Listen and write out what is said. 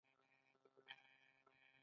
هغوی ټولنیز او کلتوري آداب په کلکه وپالـل.